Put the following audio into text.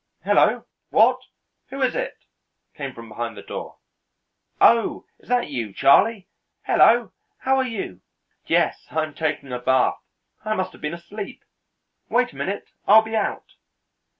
"Hello! What? Who is it?" came from behind the door. "Oh, is that you, Charlie? Hello! how are you? Yes, I'm taking a bath. I must have been asleep. Wait a minute; I'll be out."